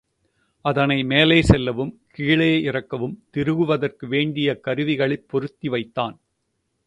அதனை மேலே செல்லவும் கீழே இறக்கவும் திருகுவதற்கு வேண்டிய கருவிகளைப் பொருத்தி வைத்தான்.